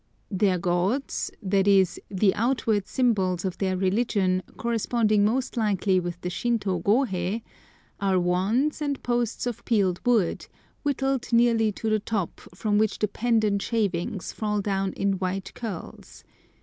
Their gods—that is, the outward symbols of their religion, corresponding most likely with the Shintô gohei—are wands and posts of peeled wood, whittled nearly to the top, from which the pendent shavings fall down in white curls.